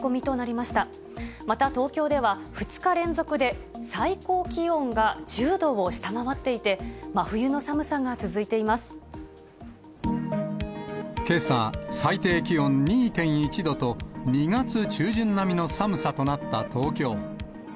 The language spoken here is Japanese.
また、東京では２日連続で最高気温が１０度を下回っていて、真冬の寒けさ、最低気温２．１度と、２月中旬並みの寒さとなった東京。